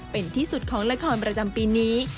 เป็นที่สุดของละครประจำปีนี้